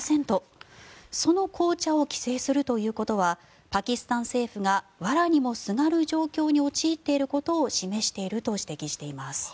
その紅茶を規制するということはパキスタン政府がわらにもすがる状況に陥っていることを示していると指摘しています。